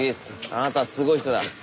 あなたはすごい人だ。